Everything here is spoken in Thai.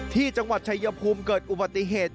ที่จังหวัดชายภูมิเกิดอุบัติเหตุ